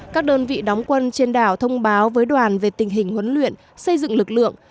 các đơn vị đóng quân trên đảo thông báo với đoàn về tình hình huấn luyện xây dựng lực lượng